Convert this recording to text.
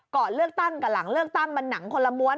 ก่อนเลือกตั้งกับหลังเลือกตั้งมันหนังคนละม้วน